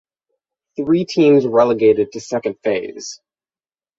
Three teams relegated to Second Phase.